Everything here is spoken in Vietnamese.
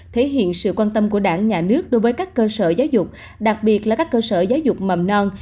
thể hiện sự quan tâm của đảng nhà nước đối với các cơ sở giáo dục đặc biệt là các cơ sở giáo dục mầm non